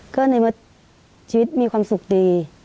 ก็ในเมื่อชีวิตมีความสุขดี